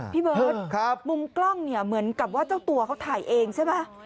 พี่เบิร์ตมุมกล้องเนี่ยเหมือนกับว่าเจ้าตัวเขาถ่ายเองใช่ไหม